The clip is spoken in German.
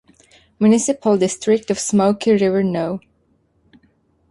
Municipal District of Smoky River No.